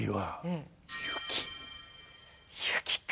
雪か。